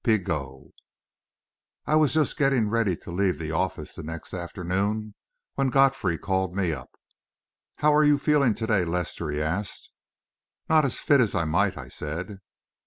PIGOT I was just getting ready to leave the office the next afternoon when Godfrey called me up. "How are you feeling to day, Lester?" he asked. "Not as fit as I might," I said.